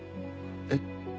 えっ？